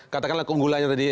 katakanlah keunggulannya tadi